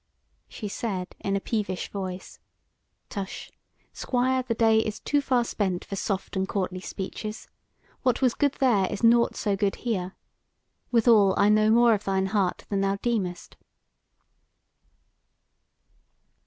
She said, in a peevish voice: "Tush, Squire, the day is too far spent for soft and courtly speeches; what was good there is nought so good here. Withal, I know more of thine heart than thou deemest."